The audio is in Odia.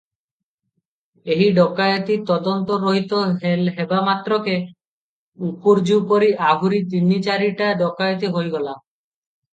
ଏହି ଡକାଏତି ତଦନ୍ତ ରହିତ ହେବା ମାତ୍ରକେ ଉପୁର୍ଯ୍ୟୁପରି ଆହୁରି ତିନି ଚାରିଟା ଡକାଏତି ହୋଇଗଲା ।